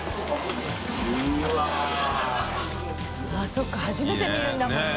そうか初めて見るんだもんね。